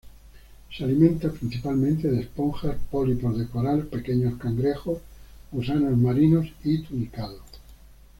Se alimenta principalmente de esponjas, pólipos de coral, pequeños cangrejos, gusanos marinos y tunicados.